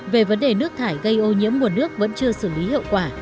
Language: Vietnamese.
về vấn đề nước thải gây ô nhiễm nguồn nước vẫn chưa xử lý hiệu quả